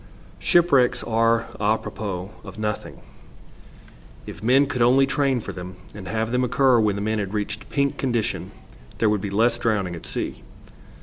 Shipwrecks are √Ý propos of nothing. If men could only train for them and have them occur when the men had reached pink condition, there would be less drowning at sea.